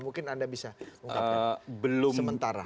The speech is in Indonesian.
mungkin anda bisa ungkapkan belum sementara